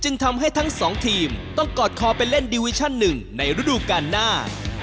ทำให้ทั้งสองทีมต้องกอดคอไปเล่นดิวิชั่นหนึ่งในฤดูการหน้า